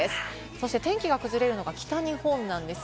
そして天気が崩れるのが北日本なんです。